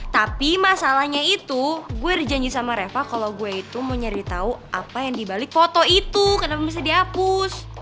tapi masalahnya itu gue berjanji sama reva kalau gue itu mau nyari tahu apa yang dibalik foto itu kenapa bisa dihapus